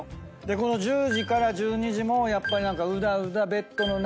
この１０時から１２時もうだうだベッドの中で。